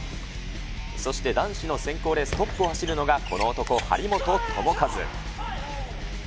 そして男子の選考レーストップを走るのがこの男、張本智和。